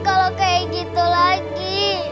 kalau kayak gitu lagi